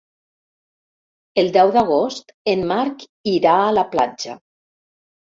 El deu d'agost en Marc irà a la platja.